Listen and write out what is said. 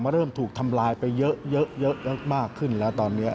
เริ่มถูกทำลายไปเยอะมากขึ้นแล้วตอนนี้